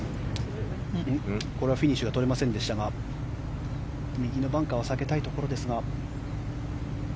これはフィニッシュが取れませんでしたが右のバンカーは避けたいところですが。